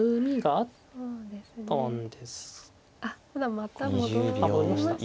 あっまた戻りましたね。